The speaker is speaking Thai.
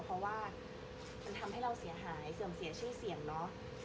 เพราะว่ามันทำให้เราเสียหายเสื่อมเสียชื่อเสียงเนอะ